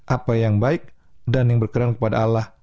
apa yang baik dan yang berkenan kepada allah